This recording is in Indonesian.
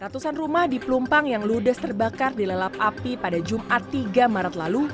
ratusan rumah di pelumpang yang ludes terbakar di lelap api pada jumat tiga maret lalu